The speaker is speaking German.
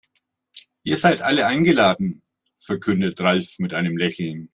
Ihr seid alle eingeladen, verkündete Ralf mit einem Lächeln.